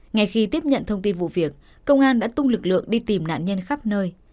ngay khi tiếp nhận thông tin vụ việc công an đã tung lực lượng đi tìm nạn nhân khắp nơi